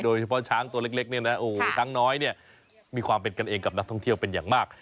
โดยเฉพาะช้างตัวเล็กเนี่ยนะโอ้โหช้างน้อยเนี่ยมีความเป็นกันเองกับนักท่องเที่ยวเป็นอย่างมาก